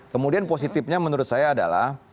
kemudian positifnya menurut saya adalah